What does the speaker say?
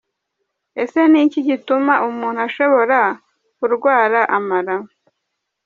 Ese ni iki gituma umuntu ashobora kurwara amara?.